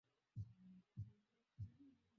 mgonjwa wa malaria anaweza kuhisi kichefuchefu